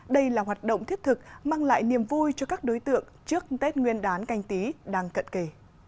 đây là hoạt động thiết thực mang lại niềm vui cho các đối tượng trước tết nguyên đán canh tí đang cận kề